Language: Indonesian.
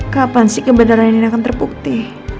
kapan sih kebenaran ini akan terbukti